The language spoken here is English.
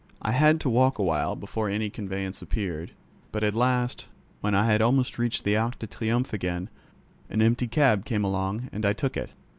I had to walk a while before any conveyance appeared, but at last, when I had almost reached the Arc de Triomphe again, an empty cab came along and I took it.